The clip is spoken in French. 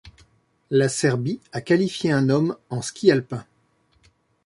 La Serbie a qualifié un homme en ski alpin.